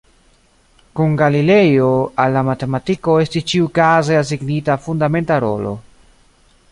Kun Galilejo al la matematiko estis ĉiukaze asignita fundamenta rolo.